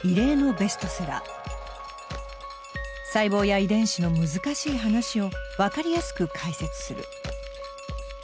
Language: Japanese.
細胞や遺伝子の難しい話を分かりやすく解説する。